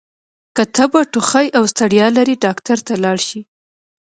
که تبه، ټوخۍ او ستړیا لرئ ډاکټر ته لاړ شئ!